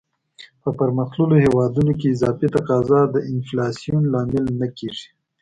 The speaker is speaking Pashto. په پرمختللو هیوادونو کې اضافي تقاضا د انفلاسیون لامل نه کیږي.